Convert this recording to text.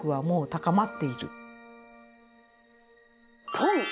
ポン。